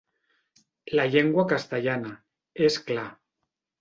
La llengua castellana, és clar.